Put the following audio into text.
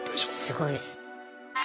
すごいです。